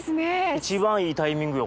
一番いいタイミングよ